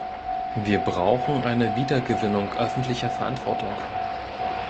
Wir brauchen eine Wiedergewinnung öffentlicher Verantwortung.